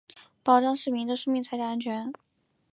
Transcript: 保障市民的生命财产安全